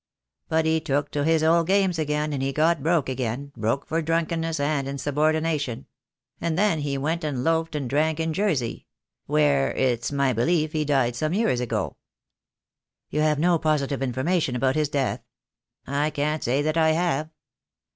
But he took to his old games again, and he got broke again, broke for drunkenness and insubordination; and then he went and loafed and drank in Jersey — where, it's my belief, he died some years ago." "You have no positive information about his death?" "I can't say that I have."